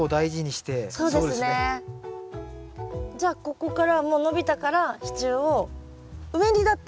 じゃあここからもう伸びたから支柱を上にだって。